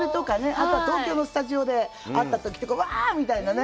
あとは東京のスタジオで会った時とかワーッみたいなね